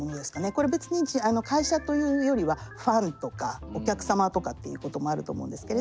これ別に会社というよりはファンとかお客様とかっていうこともあると思うんですけれども。